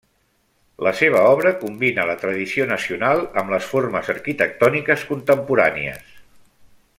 La seva obra combina la tradició nacional amb les formes arquitectòniques contemporànies.